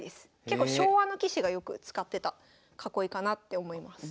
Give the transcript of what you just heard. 結構昭和の棋士がよく使ってた囲いかなって思います。